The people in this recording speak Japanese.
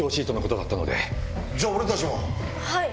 はい。